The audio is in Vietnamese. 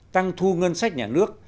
tăng thu ngân sách nhà nước